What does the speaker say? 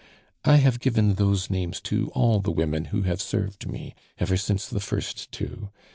I have given those names to all the women who have served me ever since the first two.